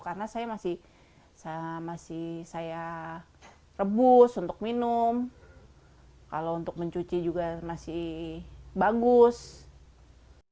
karena saya masih rebus untuk minum kalau untuk mencuci juga masih bagus